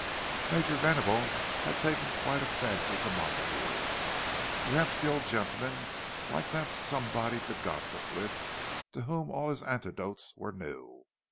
Major Venable had taken quite a fancy to Montague—perhaps the old gentleman liked to have somebody to gossip with, to whom all his anecdotes were new.